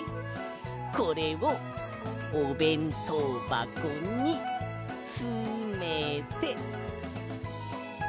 これをおべんとうばこにつめて。